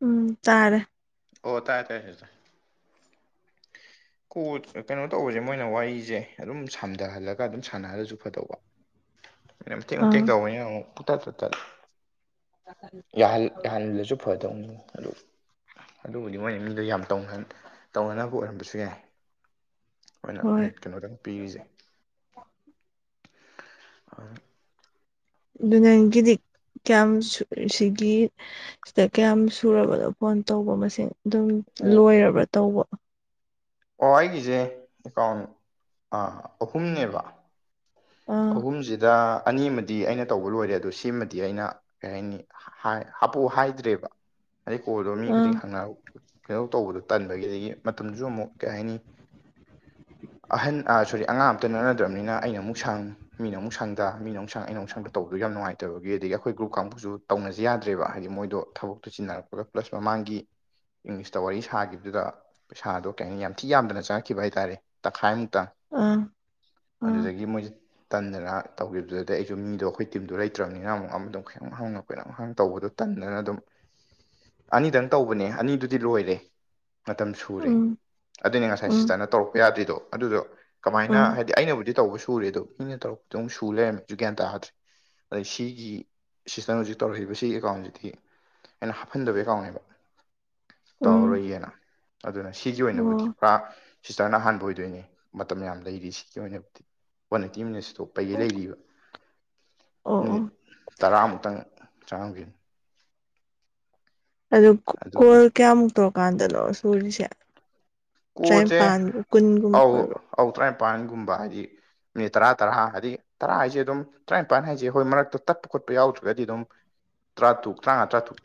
ꯎꯝ ꯇꯥꯔꯦ ꯑꯣ ꯇꯥꯏ ꯇ ꯀꯣ ꯀꯩꯅꯣ ꯇꯧꯕꯁꯦ ꯃꯣꯏꯅ ꯋꯥꯔꯤꯁꯦ ꯑꯗꯨꯝ ꯁꯝꯊꯍꯜꯂꯒ ꯑꯗꯨꯝ ꯁꯥꯟꯅꯔꯔꯁꯨ ꯐꯗꯧꯕ ꯃꯇꯦꯡ ꯃꯇꯦꯛ ꯑꯥ ꯇꯥꯎ ꯄꯨꯇ ꯇꯠꯇ [unintelligible] ꯌꯥꯍꯟꯕꯗꯁꯨ ꯐꯗꯧꯅꯤ ꯑꯗꯨ ꯑꯗꯨꯕꯨꯗꯤ ꯃꯣꯏꯅ ꯃꯤꯗꯨ ꯌꯥꯝ ꯇꯧꯅꯅꯕ ꯑꯣꯏꯔꯝꯕꯁꯨ ꯌꯥꯏ ꯑꯣꯏꯅ ꯍꯣꯏ ꯃꯤ ꯀꯩꯅꯣꯗꯪ ꯄꯤꯔꯤꯁꯦ ꯑꯗꯨ ꯅꯪꯒꯤꯗꯤ ꯀꯌꯥꯝ ꯁꯤꯒꯤ ꯁꯤꯗ ꯀꯌꯥꯝ ꯁꯨꯔꯕꯅꯣ ꯐꯣꯟ ꯇꯧꯕ ꯃꯁꯤꯡ ꯑꯗꯨꯝ ꯂꯣꯏꯔꯕ꯭ꯔꯥ ꯇꯧꯕ ꯑꯣ ꯑꯩꯒꯤꯁꯦ ꯑꯦꯀꯥꯎꯟ ꯑꯍꯨꯝꯅꯦꯕ ꯑꯥ ꯑꯍꯨꯝꯁꯤꯗ ꯑꯅꯤꯃ ꯑꯩꯅ ꯇꯧꯕ ꯂꯣꯏꯔꯦ ꯑꯗꯣ ꯁꯤꯃꯗꯤ ꯑꯩꯅ ꯀꯔꯤ ꯍꯥꯏꯅꯤ ꯍꯥꯄꯨ ꯍꯥꯏꯗ꯭ꯔꯦꯕ ꯑꯗꯩ ꯀꯣꯜꯗꯣ ꯃꯤ ꯑꯥ ꯈꯨꯗꯤꯡ ꯍꯪꯅꯔꯛ ꯀꯩꯅꯣ ꯇꯧꯕꯗꯣ ꯇꯟꯕꯒꯤ ꯑꯗꯒꯤ ꯃꯇꯝꯗꯨꯁꯨ ꯑꯃꯨꯛ ꯀꯩ ꯍꯥꯏꯅꯤ ꯑꯍꯟ ꯁꯣꯔꯤ ꯑꯉꯥꯡ ꯑꯝꯇ ꯅꯠꯅꯗ꯭ꯔꯕꯅꯤꯅ ꯑꯩꯅ ꯑꯃꯨꯛ ꯁꯥꯡꯉꯤ ꯃꯤꯅ ꯑꯃꯨꯛ ꯁꯪꯗ ꯃꯤꯅ ꯑꯃꯨꯛ ꯁꯪ ꯑꯩꯅ ꯑꯃꯨꯛ ꯁꯪꯗ ꯇꯧꯕꯗꯗꯨ ꯌꯥꯝ ꯅꯨꯡꯉꯥꯏꯇꯕꯒꯤ ꯑꯗꯒꯤ ꯑꯩꯈꯣꯏ ꯒ꯭ꯔꯨꯞ ꯀꯥꯡꯕꯨꯁꯨ ꯇꯧꯅꯖꯦ ꯌꯥꯗ꯭ꯔꯦꯕ ꯍꯥꯏꯗꯤ ꯃꯣꯏꯗꯣ ꯊꯕꯛꯇꯨ ꯁꯤꯟꯅꯔꯛꯄꯒ ꯄ꯭ꯂꯁ ꯃꯃꯥꯡꯒꯤ ꯏꯪꯂꯤꯁꯇ ꯋꯥꯔꯤ ꯁꯥꯈꯤꯕꯗꯨꯗ ꯄꯩꯁꯥꯗꯣ ꯀꯩ ꯍꯥꯏꯅꯤ ꯌꯥꯝ ꯊꯤ ꯌꯥꯝꯗꯅ ꯆꯪꯉꯛꯈꯤꯕ ꯍꯥꯏꯇꯥꯥꯔꯦ ꯇꯪꯈꯥꯏꯃꯨꯛ ꯑꯥ ꯑꯥ ꯑꯗꯨꯗꯒꯤ ꯃꯣꯏ ꯇꯟꯗꯅ ꯇꯧꯈꯤꯕꯗꯨꯗꯗꯤ ꯑꯩꯁꯨ ꯃꯤꯗꯣ ꯑꯩꯈꯣꯏ ꯇꯤꯝꯗꯣ ꯂꯩꯇ꯭ꯔꯕꯅꯤꯅ ꯑꯃꯨꯛ ꯑꯃꯗꯣꯝ ꯈꯈꯤꯇꯪ ꯍꯪꯉ ꯑꯩꯈꯣꯏꯅꯪꯍꯪ ꯇꯧꯕꯗꯣ ꯇꯟꯗꯅ ꯑꯗꯨꯝ ꯑꯅꯤꯗꯪ ꯇꯧꯕꯅꯦ ꯑꯅꯤꯗꯨꯗꯤ ꯂꯣꯏꯔꯦ ꯃꯇꯝ ꯁꯨꯔꯦ ꯎꯝ ꯑꯗꯨꯅꯦ ꯉꯁꯥꯏ ꯎꯝ ꯁꯤꯁꯇꯔꯅ ꯇꯧꯔꯛꯄ ꯌꯥꯗ꯭ꯔꯤꯗꯣ ꯑꯗꯨꯗꯣ ꯀꯃꯥꯏꯅ ꯎꯝ ꯍꯥꯏꯗꯤ ꯑꯩꯅꯕꯨꯗꯤ ꯇꯧꯕ ꯁꯨꯔꯦ ꯑꯗꯨꯣ ꯏꯪꯅꯧꯛꯄꯗꯤꯨꯛ ꯁꯨ ꯂꯩꯔꯝꯃꯦꯁꯨꯨ ꯒ꯭ꯌꯥꯟ ꯇꯥꯗ꯭ꯔꯦ ꯑꯗꯩ ꯁꯤꯒꯤ ꯁꯤꯁꯇꯔ ꯍꯧꯖꯤꯛ ꯇꯧꯔꯛꯏꯕ ꯁꯤꯒꯤ ꯑꯦꯀꯥꯎꯟꯁꯤꯗꯤ ꯑꯩꯅ ꯍꯥꯞꯐꯟꯗꯕꯩ ꯀꯥꯎꯅꯦꯕ ꯎꯝ ꯇꯧꯔꯔꯣꯏꯒꯦꯅ ꯑꯗꯨꯅ ꯁꯤꯒꯤ ꯑꯣꯏꯅꯕꯨꯗꯤ ꯑꯣ ꯄꯨꯔꯥ ꯁꯤꯁꯇꯔꯅ ꯑꯍꯥꯟꯕ ꯑꯣꯏꯗꯣꯏꯅꯦ ꯃꯇꯝ ꯌꯥꯝ ꯂꯩꯔꯤ ꯁꯤꯒꯤ ꯑꯣꯏꯅꯕꯨꯗꯤ ꯇꯤꯝꯅ ꯁꯇꯣꯛꯄꯒꯤ ꯂꯩꯔꯤꯕ ꯑꯣ ꯑꯣ ꯃꯤꯅꯤꯠ ꯇꯔꯥꯃꯨꯛꯇꯪ ꯆꯒꯦ [inaudible] ꯑ ꯑꯗꯨꯅꯦ ꯀꯣꯜ ꯀꯌꯥꯃꯨꯛ ꯇꯧꯔꯀꯥꯟꯗꯅꯣꯔ ꯁꯣꯔꯤꯁꯦ ꯇꯔꯥꯅꯤꯄꯥꯟꯒꯨꯝ ꯀꯨꯟꯒꯨꯝꯕ ꯍꯧꯧ ꯇꯔꯥꯅꯤꯄꯥꯟꯒꯨꯝꯕ ꯍꯥꯏꯗꯤ ꯃꯤꯅꯤꯠ ꯇꯔꯥ ꯇꯔꯥ ꯍꯥꯏꯗꯤ ꯇꯔꯥ ꯍꯥꯏꯁꯦ ꯑꯗꯨꯝ ꯇꯔꯥꯅꯤꯄꯥꯟ ꯍꯥꯏꯁꯦ ꯍꯣꯏ ꯃꯔꯛꯇ ꯇꯛꯄ ꯈꯣꯠꯄ ꯌꯥꯎꯗ꯭ꯔꯒꯗꯤ ꯑꯗꯨꯝ ꯇꯔꯥ ꯇꯨꯛ ꯇꯔꯥꯃꯉꯥ ꯇꯔꯥꯇꯨꯛ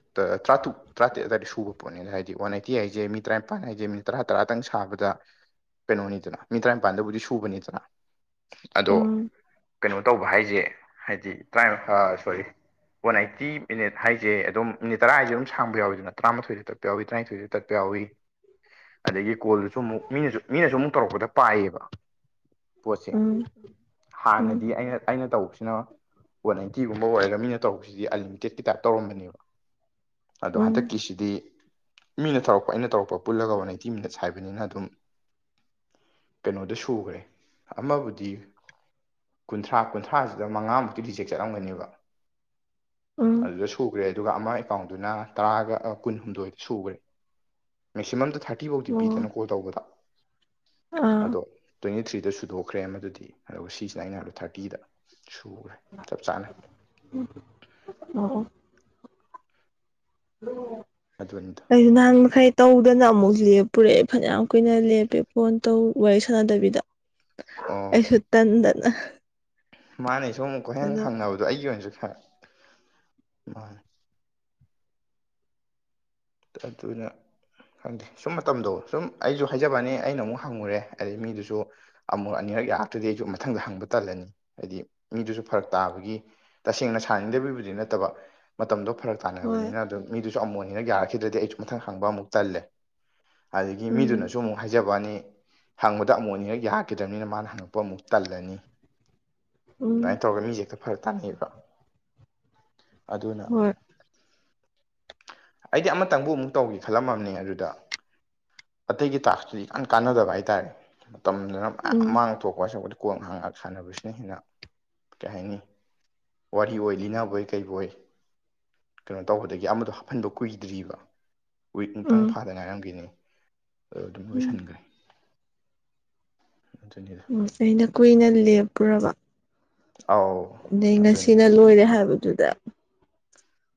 ꯇꯔꯥꯇꯨꯛ ꯇꯥꯇꯦꯠ ꯑꯗꯨꯋꯥꯔ ꯁꯨꯕ ꯄꯣꯠꯅꯦ ꯍꯥꯏꯗꯤ ꯋꯥꯟ ꯑꯥꯏꯇꯤ ꯍꯥꯏꯖꯦ ꯃꯤ ꯇꯔꯥꯅꯤꯄꯥꯟ ꯍꯥꯏꯖꯦ ꯃꯤ ꯇꯔꯥꯛ ꯇꯔꯥꯇꯪ ꯁꯥꯕꯗ ꯀꯩꯅꯣꯅꯤꯗꯅ ꯃꯤ ꯇꯔꯥꯅꯤꯄꯥꯟꯗꯕꯨꯗꯤ ꯁꯨꯕꯅꯤꯗꯅ ꯑꯗꯣ ꯎꯝ ꯀꯩꯅꯣ ꯇꯧꯕ ꯍꯥꯏꯁꯦ ꯍꯥꯏꯗꯤ try sorry one eighty minute ꯍꯥꯏꯁꯦ ꯑꯗꯨꯝ ꯃꯤꯅꯤꯠ ꯇꯔꯥ ꯍꯥꯏꯁꯦ ꯑꯗꯨꯝ ꯁꯥꯡꯕ ꯌꯥꯎꯋꯤꯗꯅ ꯇꯔꯥꯃꯥꯊꯣꯏꯗ ꯇꯠꯄ ꯌꯥꯎꯏ ꯇꯔꯥꯏꯟꯊꯣꯏꯗ ꯇꯠꯄ ꯌꯥꯎꯏ ꯑꯗꯒꯤ ꯀꯣꯜꯗꯨꯁꯨ ꯑꯃꯨꯛ ꯃꯤꯅꯁꯨ ꯃꯤꯅꯁꯨ ꯑꯃꯨꯛ ꯇꯧꯔꯛꯄꯗ ꯄꯥꯏꯌꯦꯕ ꯄꯣꯠꯁꯦ ꯎꯝ ꯎꯝ ꯍꯥꯟꯅꯗꯤ ꯑꯩꯅ ꯑꯩꯅ ꯇꯧꯕꯁꯤꯅ ꯋꯥꯟ ꯅꯥꯏꯟꯇꯤꯒꯨꯝꯕ ꯑꯣꯏꯔꯒ ꯃꯤꯅ ꯇꯧꯔꯛꯄꯁꯤꯗꯤ ꯑꯟꯂꯤꯃꯤꯇꯦꯠꯀꯤ ꯇꯥꯏꯞ ꯇꯧꯔꯝꯕꯅꯦꯕ ꯑꯗꯣ ꯎꯝ ꯍꯟꯗꯛꯀꯤꯁꯤꯗꯤ ꯃꯤꯅ ꯇꯧꯔꯛꯄ ꯑꯩꯅ ꯇꯧꯔꯛꯄ ꯄꯨꯜꯂꯒ [unintelligible] ꯇꯤ ꯃꯤꯅꯠꯁ ꯍꯥꯏꯕꯅꯤꯅ ꯑꯗꯨꯝ ꯀꯩꯅꯣꯗ ꯁꯨꯒꯔꯦ ꯑꯃꯕꯨꯗꯤ ꯀꯨꯟꯊ꯭ꯔꯥ ꯀꯨꯟꯊ꯭ꯔꯥꯁꯤꯗ ꯃꯉꯥꯃꯨꯛꯇꯤ ꯔꯤꯖꯦꯛ ꯆꯠꯂꯝꯒꯅꯦꯕ ꯎꯝ ꯑꯗꯨꯗ ꯁꯨꯈ꯭ꯔꯦ ꯑꯗꯨꯒ ꯑꯃ ꯑꯦꯀꯥꯎꯟꯗꯨꯅ ꯇꯥꯔꯒꯥ ꯀꯨꯟ ꯍꯨꯝꯗꯣꯏ ꯁꯨꯒꯔꯦ ꯃꯦꯛꯁꯤꯃꯝꯗꯣ ꯊꯥꯔ ꯇꯤꯐꯧꯗꯤ ꯑꯣ ꯄꯤꯗꯅ ꯀꯣꯜ ꯇꯧꯕꯗꯣ ꯑꯥ ꯑꯗꯣ ꯇꯣꯏꯟꯇꯤ ꯊ꯭ꯔꯤꯗ ꯁꯨꯗꯣꯛꯈ꯭ꯔꯦ ꯑꯥꯃꯗꯨꯗꯤ ꯑꯗꯨꯒ ꯁꯤꯁꯤꯅꯥ ꯑꯩꯅ ꯊꯥꯔꯇꯤꯗ ꯁꯨꯈ꯭ꯔꯦ ꯆꯞ ꯆꯥꯅ ꯎꯝ ꯑꯣ [unintelligible] ꯑꯗꯨꯅꯤꯗ ꯑꯩ ꯅꯍꯥꯟ ꯃꯈꯩ ꯇꯧꯗꯅ ꯑꯃꯨꯛ ꯂꯦꯞꯄꯨꯔꯦ ꯐꯅꯌꯥꯝ ꯀꯨꯏꯅ ꯂꯦꯞꯄꯦ ꯐꯣꯟ ꯇꯧ ꯋꯥꯔꯤ ꯁꯥꯟꯅꯗꯕꯤꯗ ꯑꯣ ꯑꯩꯁꯨ ꯇꯟꯗꯅ ꯃꯥꯅꯦ ꯁꯣꯝ ꯀꯣꯏꯍꯡ ꯑꯗꯣ ꯍꯪꯅꯕꯗꯣ ꯑꯩꯒꯤ ꯑꯣꯏꯅꯁꯨ ꯃꯥꯅꯤ ꯑꯗꯨꯅ ꯈꯪꯗꯦ ꯁꯨꯝ ꯃꯇꯝꯗꯣ ꯁꯨꯝ ꯑꯩꯁꯨ ꯍꯥꯏꯖꯕꯅꯤ ꯑꯩꯅ ꯑꯃꯨꯛ ꯍꯪꯉꯨꯔꯦ ꯑꯗꯩ ꯃꯤꯗꯨꯁꯨ ꯑꯃꯨꯔꯛ ꯑꯅꯤꯔꯛ ꯌꯥꯔꯛꯇ꯭ꯔꯗꯤ ꯑꯩꯁꯨ ꯃꯊꯪꯗ ꯍꯪꯕ ꯇꯜꯂꯅꯤ ꯍꯥꯏꯗꯤ ꯃꯤꯗꯨꯁꯨ ꯐꯔꯛ ꯇꯥꯕꯒꯤ ꯇꯁꯦꯡꯅ ꯁꯥꯅꯤꯡꯗꯕꯩꯕꯨꯗꯤ ꯅꯠꯇꯕ ꯃꯇꯝꯗꯣ ꯐꯔꯛ ꯍꯣꯏ ꯇꯥꯟꯅꯕꯅꯤꯅ ꯑꯗꯨ ꯃꯤꯗꯨꯁꯨ ꯑꯃꯨꯛ ꯑꯅꯤꯔꯛ ꯌꯥꯔꯛꯈꯤꯗ꯭ꯔꯗꯤ ꯑꯩꯁꯨ ꯃꯊꯪ ꯍꯪꯕ ꯑꯃꯨꯛ ꯇꯜꯂꯦ ꯑꯗꯒꯤ ꯎꯝ ꯃꯤꯗꯨꯅꯁꯨ ꯑꯃꯨꯛ ꯍꯥꯏꯖꯕꯋꯥꯅꯤ ꯍꯪꯕꯗ ꯑꯃꯨꯛ ꯑꯅꯤꯔꯛ ꯌꯥꯈꯤꯗ꯭ꯔꯝꯅꯤꯅ ꯃꯥꯅ ꯍꯪꯉꯛꯄ ꯑꯃꯨꯛ ꯇꯜꯂꯅꯤ ꯎꯝ ꯑꯗꯨꯨꯃꯥꯏꯟ ꯇꯧꯔ ꯃꯤ ꯍꯦꯛꯇ ꯐꯔꯛ ꯇꯥꯅꯩꯌꯦꯕ ꯑꯗꯨꯅ ꯍꯣꯏ ꯑꯩꯗꯤ ꯑꯃꯇꯪꯕꯨ ꯑꯃꯨꯛ ꯇꯧꯒꯦ ꯈꯜꯂꯝꯃꯕꯅꯦ ꯑꯗꯨꯗ ꯑꯇꯩꯒꯤ ꯇꯥꯛꯁꯇꯨꯗꯤ ꯌꯥꯝ ꯀꯥꯟꯅꯗꯕ ꯍꯥꯏꯇꯥꯥꯔꯦ ꯃꯇꯝꯗꯨꯅ ꯃꯌꯥꯝ ꯎꯝ ꯃꯥꯡ ꯊꯣꯛꯄ [unintelligible] ꯀꯣꯟ ꯉꯍꯥꯛ ꯉꯍꯥꯛ ꯁꯥꯟꯅꯕꯁꯤꯅ ꯍꯦꯟꯅ ꯀꯩ ꯍꯥꯏꯅꯤ ꯋꯥꯔꯤ ꯑꯣꯏ ꯂꯤꯅꯕꯣꯏ ꯀꯩꯕꯣꯏ ꯀꯩꯅꯣ ꯇꯧꯕꯗꯒꯤ ꯑꯃꯗꯣ ꯍꯥꯞꯐꯟ ꯀꯨꯏꯗ꯭ꯔꯤꯕ ꯋꯤꯛꯃꯨꯛꯇꯪ ꯎꯝ ꯐꯥꯗ ꯉꯥꯏꯔꯝꯒꯤꯅꯤ ꯑꯗꯨ ꯑꯗꯨꯝ ꯎꯝ ꯂꯣꯏꯁꯟꯒꯔꯦ ꯑꯩꯅ ꯀꯨꯏꯅ ꯂꯦꯞꯄꯨꯔꯕ ꯑꯥꯎ ꯅꯗꯩ ꯉꯁꯤꯅ ꯂꯣꯏꯔꯦ ꯍꯥꯏꯕꯗꯨꯗ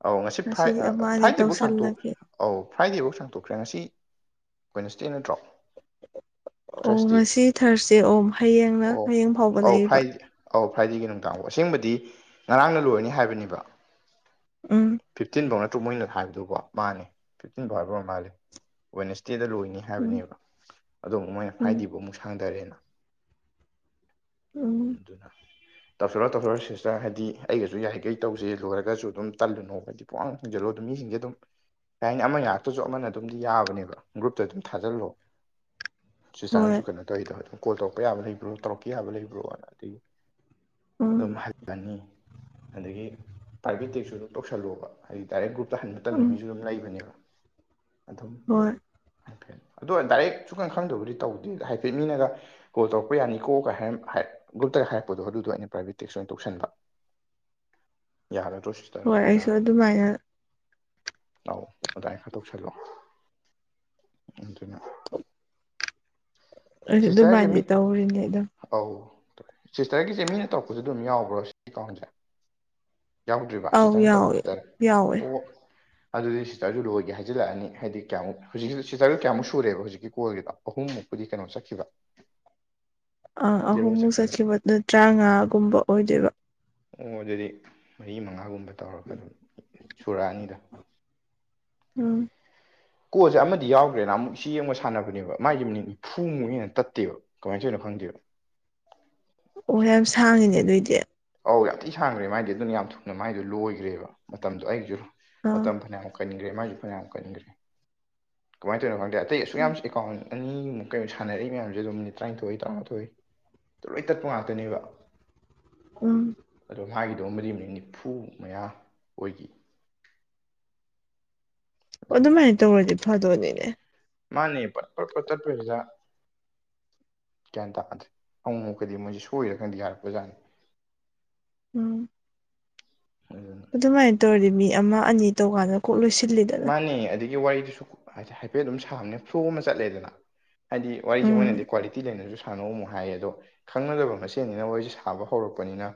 ꯑꯧ ꯉꯁꯤ ꯐ꯭ꯔꯥꯏ ꯉꯁꯤꯗꯤ ꯑꯃ ꯑꯅꯤ ꯐ꯭ꯔꯥꯏꯗꯦꯐꯧ ꯁꯥꯡꯇꯣꯛ ꯇꯧꯁꯜꯂꯒꯦ ꯑꯧ ꯐ꯭ꯔꯥꯏꯗꯦꯐꯧ ꯁꯥꯡꯗꯣꯛꯈ꯭ꯔꯦ ꯉꯁꯤ ꯋꯥꯏꯅꯁꯗꯦ ꯅꯠꯇ꯭ꯔꯣ ꯑꯣ ꯊ꯭ꯔꯁꯗꯦ ꯉꯁꯤ ꯊꯔꯁꯗꯦ ꯑꯣ ꯍꯌꯦꯡꯅ ꯑꯣ ꯍꯌꯦꯡ ꯐꯥꯎꯕ ꯑꯧ ꯂꯩꯔꯤꯕ ꯐ꯭ꯔꯥꯏ ꯑꯧ ꯐ꯭ꯔꯥꯏꯗꯦꯒꯤ ꯅꯨꯡꯗꯥꯡꯐꯥꯎ ꯑꯁꯦꯡꯕꯗꯤ ꯉꯔꯥꯡꯅ ꯂꯣꯏꯔꯅꯤ ꯍꯥꯏꯕꯅꯦꯕ ꯎꯝ ꯐꯤꯐꯇꯤꯟꯐꯧ ꯅꯠꯇ꯭ꯔꯣ ꯃꯣꯏꯅ ꯍꯥꯏꯕꯗꯨꯕꯣ ꯃꯥꯅꯦ ꯐꯤꯐꯇꯤꯟꯐꯥꯎ ꯍꯥꯏꯕ ꯑꯣꯏꯔ ꯃꯥꯜꯂꯦ ꯋꯦꯟꯁꯗꯦꯗ ꯂꯣꯏꯅꯤ ꯎꯝ ꯍꯥꯏꯕꯅꯦꯕ ꯑꯗꯣ ꯑꯃꯨꯛ ꯃꯣꯏꯅ ꯎꯝ ꯐꯔꯥꯏꯗꯦꯕꯨ ꯑꯃꯨꯛ ꯁꯥꯡꯊꯔꯦꯅ ꯎꯝ [unintelligible] ꯇꯧꯁꯜꯂꯣ ꯇꯧꯁꯜꯂꯣ ꯁꯤꯁꯇꯔ ꯍꯥꯏꯗꯤ ꯑꯩꯒꯁꯨ ꯌꯥꯔꯤꯈꯩ ꯇꯧꯖꯦ ꯂꯣꯏꯔꯒꯁꯨ ꯑꯗꯨꯝ ꯇꯜꯂꯨꯅꯣꯕ ꯍꯥꯏꯗꯤ ꯄꯨꯍꯪ ꯍꯪꯖꯜꯂꯣ ꯑꯗꯨꯝ ꯃꯤꯁꯤꯡꯁꯦ ꯑꯗꯨꯝ ꯀꯩ ꯍꯥꯏꯅꯤ ꯑꯃ ꯌꯔꯛꯇꯁꯨ ꯑꯃꯅ ꯑꯗꯨꯝꯗꯤ ꯌꯥꯕꯅꯦꯕ ꯒ꯭ꯔꯨꯞꯇ ꯑꯗꯨꯝ ꯊꯥꯖꯤꯜꯂꯣ ꯍꯣꯏ ꯁꯤꯁꯇꯔꯅꯁꯨ ꯀꯩꯅꯣ ꯇꯧꯋꯤꯗꯣ ꯀꯣꯜ ꯇꯧꯔꯛꯄ ꯌꯥꯕ ꯂꯩꯕ꯭ꯔꯣ ꯇꯧꯔꯛꯄ ꯌꯥꯕ ꯂꯩꯕ꯭ꯔꯣꯅ ꯑꯗꯨ ꯎꯝ ꯑꯗꯨꯝ ꯍꯜꯂꯅꯤ ꯑꯗꯒꯤ ꯄ꯭ꯔꯥꯏꯚꯦꯠꯇꯤꯛꯁ꯭ꯁꯨ ꯑꯗꯨꯝ ꯇꯧꯁꯜꯂꯣꯕ ꯍꯥꯏꯗꯤ ꯗꯥꯏꯔꯦꯛ ꯒ꯭ꯔꯨꯞꯇ ꯍꯟꯕ ꯇꯟꯕꯥ ꯎꯝ ꯃꯤꯁꯨ ꯑꯗꯨꯝ ꯂꯩꯕꯅꯦꯕ ꯑꯗꯨꯝ ꯍꯣꯏ ꯍ ꯐꯔꯦ ꯑꯗꯣ ꯗꯥꯏꯔꯦꯛ ꯁꯨꯀꯪ ꯈꯪꯗꯕꯨꯗꯤ ꯇꯧꯗꯦ ꯍꯥꯏꯐꯦꯠ ꯃꯤꯅꯒ ꯀꯣ ꯇꯧꯔꯛꯄ ꯌꯥꯅꯤꯀꯣ ꯀꯥꯏ ꯍꯥꯏꯔ ꯒ꯭ꯔꯨꯞꯇꯒ ꯍꯥꯏꯔꯛꯄꯗꯣ ꯑꯗꯨꯗꯣ ꯑꯩꯅ ꯄ꯭ꯔꯥꯏꯚꯦꯠ ꯇꯦꯛꯁ ꯑꯣꯏꯅ ꯇꯧꯁꯟꯕ ꯌꯥꯍꯒ ꯍꯣꯏ ꯑꯩꯁꯨ ꯇꯣꯁꯇꯔ ꯨꯗꯥꯥꯟ ꯑꯗꯨꯃꯥꯏꯅ ꯂꯥꯛꯑꯣ ꯑꯗꯥꯥꯏ ꯈꯥꯗꯣꯛꯁꯜꯂꯣ ꯑꯗꯨꯅ ꯑꯗꯨꯃꯥꯏꯅꯗꯤ ꯇꯧꯔꯤꯅꯦ ꯑꯗꯨꯝ ꯑꯧꯧꯦ ꯁꯤꯁꯇꯔꯒꯤꯁꯦ ꯃꯤꯅ ꯇꯧꯔꯛꯄꯁꯨ ꯑꯗꯨꯝ ꯌꯥꯎꯕ꯭ꯔꯣ ꯁꯤ ꯀꯥꯎꯟꯁꯦ ꯌꯥꯎꯗ꯭ꯔꯤꯕ ꯑꯧ ꯌꯥꯎꯋꯦ ꯈꯛꯇꯔ ꯌꯥꯎꯋꯦ ꯑꯣ ꯑꯗꯨꯗꯤ ꯁꯤꯁꯇꯔꯁꯨ ꯂꯣꯏꯒꯦ ꯍꯥꯏꯖꯤꯜꯂꯛꯑꯅꯤ ꯍꯥꯏꯗꯤ ꯀꯌꯥꯃꯨꯛ ꯍꯧꯖꯤꯛꯀꯤ ꯁꯤꯇꯔꯁꯨ ꯀꯌꯥꯃꯨꯛ ꯁꯨꯔꯦꯕ ꯍꯧꯖꯤꯛꯀꯤ ꯀꯣꯜꯒꯤꯗꯣ ꯑꯍꯨꯝꯃꯨꯛꯄꯨꯗꯤ ꯀꯩꯅꯣ ꯆꯠꯈꯤꯕ ꯑꯪ ꯖꯦꯔꯣ ꯑꯍꯨꯝꯃꯨꯛ ꯆꯠꯈ꯭ꯔꯒ ꯆꯠꯈꯤꯕꯗꯨ ꯇꯔꯥꯃꯉꯥꯒꯨꯝꯕ ꯑꯣꯏꯗꯣꯏꯕ ꯑꯣ ꯑꯗꯨꯗꯤ ꯃꯔꯤ ꯃꯉꯥꯒꯨꯝꯕ ꯇꯧꯔꯒ ꯑꯗꯨꯝ ꯁꯨꯔꯛꯑꯅꯤꯗꯣ ꯎꯝ ꯀꯣꯁꯦ ꯑꯃꯗꯤ ꯌꯥꯎꯗ꯭ꯔꯦꯅ ꯑꯃꯨꯛ ꯁꯤ ꯌꯦꯡꯕ ꯁꯥꯟꯅꯕꯅꯦꯕ ꯃꯥꯥꯏꯗꯤ ꯃꯅꯤꯡꯗꯤ ꯐꯨꯕ ꯍꯦꯟꯅ ꯇꯠꯇꯦꯕ ꯀꯃꯥꯏꯅ ꯇꯣꯏꯅ ꯐꯪꯗꯦꯕ ꯑꯣ ꯌꯥꯝ ꯁꯥꯡꯉꯤꯅꯦ ꯑꯗꯨꯏꯗꯤ ꯑꯧ ꯌꯥꯝ ꯊꯤ ꯁꯥꯡꯈ꯭ꯔꯦ ꯃꯥꯏꯗꯤ ꯑꯗꯨꯅ ꯌꯥꯝ ꯊꯨꯅ ꯃꯥꯏꯗꯣ ꯂꯣꯏꯈ꯭ꯔꯦꯕ ꯃꯇꯝꯗꯣ ꯑꯩꯁꯨ ꯑꯥ ꯃꯇꯝ ꯐꯅꯌꯥꯝ ꯀꯟꯈ꯭ꯔꯦ ꯃꯥꯒꯤ ꯐꯅꯌꯥꯝ ꯀꯟꯈ꯭ꯔꯦ ꯀꯃꯥꯏꯅ ꯇꯧꯅꯣ ꯈꯪꯗꯦ ꯑꯇꯩ ꯑꯁꯨꯛ ꯌꯥꯝꯅ ꯑꯦꯥꯎꯟ ꯑꯅꯤꯃꯨ ꯀꯩꯅꯣ ꯁꯥꯟꯅꯔꯏ ꯃꯌꯥꯝꯦꯝ ꯃꯤꯠ ꯇꯔꯥꯅꯤꯊꯣꯏ ꯇꯔꯥꯊꯣꯏ ꯇꯂꯣꯏ ꯇꯠꯄ ꯉꯥꯛꯇꯅꯦꯕ ꯎꯝ ꯑꯗꯣ ꯃꯥꯒꯤꯗꯣ ꯃꯔꯤ ꯑꯃꯅꯤ ꯅꯤꯐꯨ ꯃꯌꯥ ꯑꯣꯏꯈꯤ ꯑꯣ ꯑꯗꯨꯅ ꯑꯗꯨꯃꯥꯏꯅ ꯇꯧꯔꯗꯤ ꯐꯥꯗꯣꯏꯅꯤꯅꯦ ꯃꯥꯅꯦ ꯄꯠ ꯄꯠꯄ ꯇꯠꯄꯁꯤꯗ ꯀꯩꯌꯥ ꯇꯥꯅꯗ꯭ꯔꯦ ꯑꯃꯨꯛꯨꯛꯀꯗꯤ ꯃꯣꯏꯁꯦ ꯁꯣꯏꯔꯀꯥꯟꯗꯤ ꯌꯥꯔꯛꯄꯖꯥꯠꯅꯤ ꯎꯝ ꯑꯗꯨꯅ ꯑꯗꯨꯃꯥꯏꯅ ꯇꯧꯔꯗꯤ ꯃꯤ ꯑꯃ ꯑꯅꯤ ꯇꯧꯀꯥꯟꯗ ꯀꯣꯛ ꯂꯣꯏꯁꯤꯟꯜꯂꯤꯗꯣ ꯃꯥꯅꯤ ꯑꯗꯒꯤ ꯋꯥꯔꯤꯗꯨꯁꯨ ꯍꯥꯏꯐꯦꯠ ꯑꯗꯨꯝ ꯁꯥꯕꯅꯦ ꯐ꯭ꯂꯣ ꯑꯃ ꯆꯠꯂꯦꯗꯅ ꯍꯥꯏꯗꯤ ꯋꯥꯔꯤꯁꯦ ꯎꯝ ꯃꯣꯏꯅꯗꯤ ꯀ꯭ꯋꯥꯂꯤꯇꯤ ꯂꯩꯅꯁꯨ ꯁꯥꯟꯅꯧ ꯑꯃꯨꯛ ꯍꯥꯏꯌꯦ ꯑꯗꯣ ꯈꯪꯅꯗꯕ ꯃꯁꯦꯟꯅꯤꯅ ꯃꯣꯏꯁꯦ ꯁꯥꯕ ꯍꯧꯔꯛꯄꯅꯤꯅ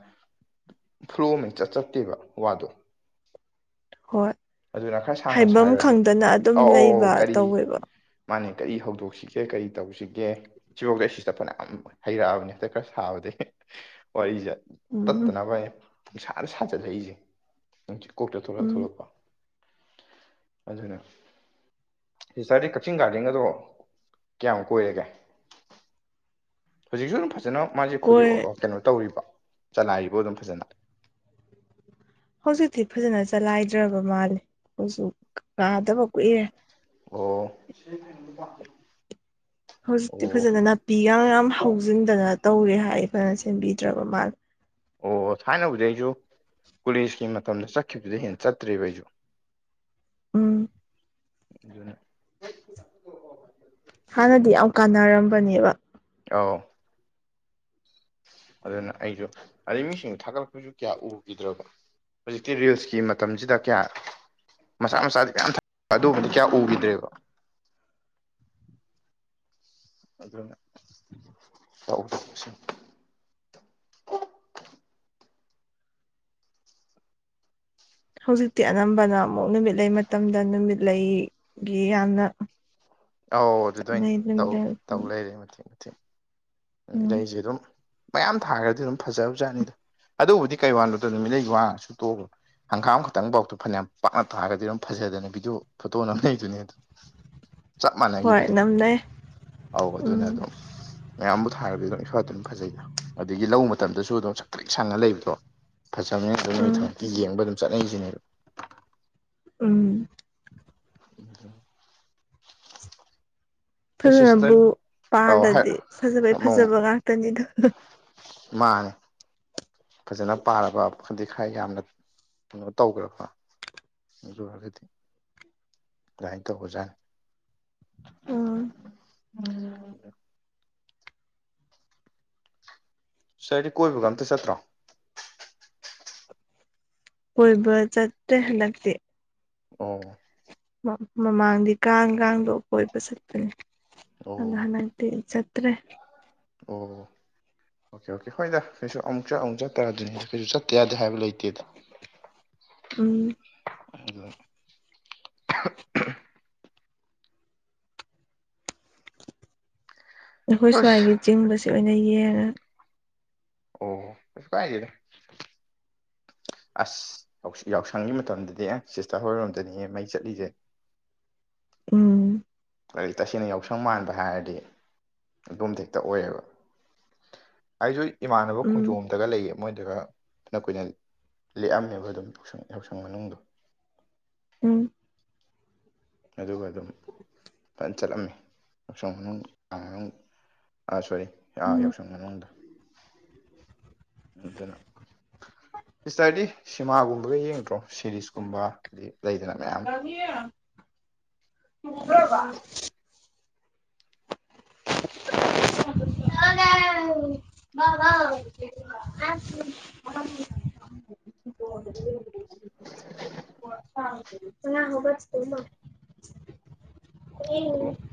ꯐ꯭ꯂꯨ ꯑꯃ ꯆꯠ ꯆꯠꯇꯦꯕ ꯋꯥꯗꯣ ꯍꯣꯏ ꯑꯗꯨꯅ ꯈꯔ ꯁꯥꯡꯅ ꯍꯥꯏꯐꯝ ꯁꯥꯈ꯭ꯔꯗꯤ ꯈꯪꯗꯅ ꯑꯗꯨꯝ ꯑꯧ ꯂꯩꯕ ꯑꯧ ꯀꯔꯤ ꯇꯧꯋꯦꯕ ꯃꯥꯅꯦ ꯀꯔꯤ ꯍꯧꯗꯣꯛꯁꯤꯒꯦ ꯀꯔꯤ ꯇꯧꯁꯤꯒꯦ ꯁꯤꯐꯧꯗ ꯑꯩ ꯁꯤ ꯆꯠꯄꯅ ꯌꯥꯝ ꯍꯩꯔꯛꯑꯕꯅꯦ ꯍꯐꯦ ꯈꯔ ꯁꯥꯕꯗꯤ ꯋꯥꯔꯤꯁꯦ ꯎꯝ ꯇꯠꯇꯅꯕ ꯑꯩ ꯅꯨꯡꯁꯥꯅ ꯁꯥꯖꯜꯂꯛꯏꯁꯦ ꯅꯨꯡꯠ ꯀꯣꯛꯇ ꯊꯣꯛꯂꯛꯑ ꯎꯝ ꯊꯣꯛꯂꯛꯄ ꯑꯗꯨꯅ ꯁꯤꯇꯔꯗꯤ ꯀꯛꯆꯤꯡ ꯒꯥꯔꯗꯦꯟ ꯑꯗꯣ ꯀꯌꯥꯝ ꯀꯣꯏꯔꯒꯦ ꯍꯧꯖꯤꯛꯁꯨ ꯑꯗꯨꯝ ꯐꯖꯅ ꯃꯥꯁꯦ ꯐꯨꯔꯤ ꯀꯣꯏ ꯀꯩꯅꯣ ꯇꯧꯔꯤꯕ ꯆꯂꯥꯏꯔꯤꯕ ꯑꯗꯨꯝ ꯐꯖꯅ ꯍꯧꯖꯤꯛꯇꯤ ꯐꯖꯅ ꯆꯂꯥꯏꯗ꯭ꯔꯕ ꯃꯥꯜꯂꯦ ꯑꯩꯈꯣꯏꯁꯨ ꯀꯥꯗꯕ ꯀꯨꯏꯔꯦ ꯑꯣ ꯍꯧꯖꯤꯛꯇꯤ ꯑꯣ ꯐꯖꯅ ꯅꯥꯄꯤꯒ ꯌꯥꯝ ꯍꯧꯖꯤꯟꯗꯅ ꯇꯧꯋꯦ ꯍꯥꯏ ꯐꯖꯅ ꯁꯦꯝꯕꯤꯗ꯭ꯔꯕ ꯃꯥꯂ ꯑꯣ ꯊꯥꯏꯅꯕꯨꯗꯤ ꯑꯩꯁꯨ ꯀꯣꯂꯦꯖꯀꯤ ꯃꯇꯝꯗ ꯆꯠꯈꯤꯕꯗ ꯍꯦꯟꯅ ꯆꯠꯇ꯭ꯔꯦꯕ ꯑꯩꯁꯨ ꯎꯝ ꯑꯗꯨꯨꯅ ꯍꯥꯟꯅꯗꯤ ꯌꯥꯝ ꯀꯥꯟꯅꯔꯝꯕꯅꯦꯕ ꯑꯥꯎ ꯑꯗꯨꯅ ꯑꯩꯁꯨ ꯑꯗꯩ ꯃꯤꯁꯤꯡꯗꯣ ꯊꯥꯒꯠꯂꯛꯄꯁꯨ ꯀꯌꯥ ꯎꯈꯤꯗ꯭ꯔꯕ ꯍꯧꯖꯤꯛꯇꯤ ꯔꯤꯜꯁꯀꯤ ꯃꯇꯝꯁꯤꯗ ꯀꯌꯥ ꯃꯆꯥ ꯃꯆꯥꯗꯤ ꯀꯌꯥꯝ ꯊꯛ ꯑꯗꯨꯒꯨꯝꯕꯗꯤ ꯀꯌꯥ ꯎꯈꯤꯗ꯭ꯔꯦꯕ ꯑꯗꯨꯅ ꯌꯥꯥꯛ ꯍꯧꯖꯤꯛꯇꯤ ꯑꯅꯝꯕꯅ ꯑꯃꯨꯛ ꯅꯨꯃꯤꯠ ꯂꯩ ꯃꯇꯝꯗ ꯅꯨꯃꯤꯠ ꯂꯩ ꯒꯤ ꯌꯥꯝꯅ ꯑꯧ ꯑꯗꯨꯗ ꯑꯣꯏꯅ ꯆꯠꯅꯩ ꯅꯨꯃꯤꯠ ꯇꯧ ꯂꯩ ꯇꯧ ꯂꯩꯔꯦ ꯃꯊꯦꯛ ꯃꯊꯦꯡ ꯎꯝ ꯏꯔꯁꯦ ꯑꯗꯨꯝ ꯃꯌꯥꯝ ꯊꯥꯈ꯭ꯔꯗꯤ ꯑꯗꯨꯝ ꯐꯖꯕꯖꯥꯠꯅꯤꯗꯣ ꯑꯗꯨꯕꯨꯗꯤ ꯀꯩ ꯋꯥꯜꯗꯨꯗ ꯅꯨꯠ ꯂꯩꯩ ꯋꯥꯡꯉ ꯁꯨ ꯇꯣꯛꯑ ꯍꯪꯒꯥꯝ ꯈꯛꯇꯪꯐꯥꯎꯗꯣ ꯐꯅꯌꯥꯝ ꯄꯥꯛꯅ ꯇꯥꯔꯒꯗꯤ ꯑꯗꯨꯝ ꯐꯖꯗꯅ ꯕꯤꯗꯤꯑꯣ ꯐꯣꯇꯣꯅ ꯂꯩꯗꯨꯅꯦ ꯑꯗꯣ ꯆꯞ ꯃꯥꯟꯅꯩ ꯍꯣꯏ ꯌꯨꯒꯥꯗꯨꯝ ꯅꯝꯅꯩ ꯑꯧ ꯑꯗꯨꯅ ꯎꯝ ꯑꯗꯨꯝ ꯃꯌꯥꯝꯕꯨ ꯊꯥꯔꯗꯤ ꯂꫭꯏꯅ ꯏꯐꯥꯗ ꯑꯗꯨꯝ ꯐꯖꯩꯗ ꯑꯗꯨꯗꯒꯤ ꯂꯧ ꯃꯇꯝꯗꯁꯨ ꯑꯗꯨꯝ ꯁꯛꯇꯦꯛ ꯁꯪꯉ ꯂꯩꯕꯗꯣ ꯐꯖꯕꯅꯦ ꯎꯝ ꯑꯗꯨꯅꯩ ꯊꯑꫭꯏꯀꯤ ꯌꯦꯡꯕ ꯑꯗꯨꯝ ꯆꯠꯅꯔꯩꯁꯤꯅꯦꯕ ꯎꯝ [unintelligible] ꯑꯗꯣ ꯐꯖꯅꯕꯨ ꯁꯤꯁꯇꯔ ꯑꯧ ꯍꯥꯏ ꯄꯥꯜꯂꯗꯤ ꯐꯖꯕꯒꯤ ꯐꯖꯕ ꯑꯃꯨꯛ ꯉꯥꯛꯇꯅꯤꯗ ꯃꯥꯅꯦ ꯐꯖꯅ ꯄꯥꯜꯂꯕ ꯈꯗꯤ ꯈꯔ ꯌꯥꯝꯅ ꯀꯩꯅꯣ ꯇꯧꯈ꯭ꯔꯕ ꯑꯗꯨ ꯑꫭꯏꯔꯒꯗꯤ ꯑꯗꯥꯏ ꯇꯧꯕ ꯖꯥꯠꯅꯤ ꯎꯝ [unintelligible] ꯁꯤꯁꯇꯔꯗꯤ ꯀꯣꯏꯕꯒ ꯑꯝꯇ ꯆꯠꯇ꯭ꯔꯣ ꯀꯣꯏꯕ ꯆꯠꯇꯦ ꯍꯥꯟꯗꯛꯇꯤ ꯑꯣ ꯃꯃꯥꯡꯗꯤ ꯀꯥꯡ ꯀꯥꯡꯗꯣ ꯀꯣꯏꯕ ꯆꯠꯄꯅꯦ ꯑꯗꯣ ꯑꯣ ꯍꯟꯗꯛꯇꯤ ꯆꯠ ꯇ꯭ꯔꯦ ꯑꯣ ꯑꯣꯀꯦ ꯑꯣꯀꯦ ꯍꯣꯏꯗ ꯀꯩꯁꯨ ꯑꯃꯨꯛ ꯆꯠ ꯑꯃꯨꯛ ꯆꯠꯇꯥꯗꯨꯅꯤꯗ ꯀꯩꯁꯨ ꯆꯠꯇ ꯌꯥꯗꯦ ꯍꯥꯏꯕ ꯂꯩꯇꯦꯗ ꯎꯝ ꯑꯗꯨꯅ ꯑꯩꯈꯣꯏ ꯁ꯭ꯋꯥꯏꯒꯤ ꯑꯁ ꯆꯤꯡꯕꯁꯦ ꯑꯣꯏꯅ ꯌꯦꯡꯉ ꯑꯣ ꯀꯩꯏꯁꯨ ꯀꯥꯏꯗꯦꯗꯥ ꯑꯁ ꯌꯥꯎꯁꯪꯒꯤ ꯃꯇꯝꯗꯗꯤ ꯑꯦ ꯁꯤꯁꯇꯔ ꯍꯣꯏꯔꯣꯝꯗꯅꯤꯑ ꯃꯩ ꯆꯠꯂꯤꯁꯦ ꯎꯝ [unintelligible] ꯇꯁꯦꯡꯅ ꯌꯥꯎꯁꯪ ꯃꯥꯟꯕ ꯍꯥꯏꯔꯗꯤ ꯑꯗꯣꯝꯗ ꯍꯦꯛꯇ ꯑꯣꯏꯌꯦꯕ ꯑꯩꯁꯨ ꯏꯃꯥꯟꯅꯕ ꯎꯝ ꯈꯣꯡꯖꯣꯝꯗꯒ ꯂꯩꯌꯦ ꯃꯣꯏꯗꯒ ꯐꯥꯅ ꯀꯨꯏꯅ ꯂꯦꯛꯑꯝꯃꯦꯕ ꯑꯗꯨꯝ ꯌꯥꯎꯁꯪ ꯌꯥꯎꯁꯪ ꯃꯅꯨꯡꯗꯣ ꯎꯝ ꯑꯗꯨꯒ ꯑꯗꯨꯝ ꯐꯖꯅ ꯆꯠꯂꯝꯃꯤ ꯌꯥꯎꯁꯪ ꯃꯅꯨꯡ [unintelligible] ꯑꯥ ꯁꯣꯔꯤ ꯑꯥ ꯎꯝ ꯌꯥꯎꯁꯪ ꯃꯅꯨꯡꯗꫭ ꯑꯗꯨꯅ ꯁꯤꯁꯇꯔꯗꯤ ꯁꯤꯃꯥꯒꯨꯝꯕꯒ ꯌꯦꯡꯗ꯭ꯔꯣ ꯁꯤꯔꯤꯁꯀꯨꯝꯕ ꯍꯥꯏꯗꯤ ꯂꯩꯗꯅ ꯃꯌꯥꯝ [unintelligible] [unintelligible] [unintelligible] [unintelligible] [unintelligible] [unintelligible] ꯑꯉꯥꯡ ꯍꯧꯒꯠꯇꯔ ꯃꯥꯜꯂꯦ [unintelligible]